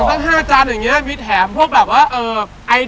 นี่ต้องช่วยเดี๋ยวขอชิบก่อนขอชิบก่อนก็อร่อยกันอร่อย